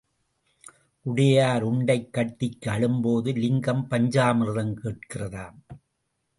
உடையார் உண்டைக் கட்டிக்கு அழும் போது லிங்கம் பஞ்சாமிர்தம் கேட்கிறதாம்.